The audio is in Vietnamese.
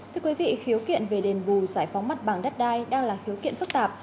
thưa quý vị khiếu kiện về đền bù giải phóng mặt bằng đất đai đang là khiếu kiện phức tạp